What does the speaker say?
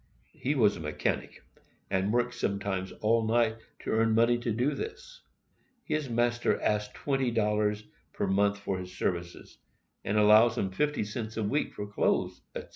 He is a mechanic, and worked sometimes all night to earn money to do this. His master asks twenty dollars per month for his services, and allows him fifty cents per week for clothes, etc.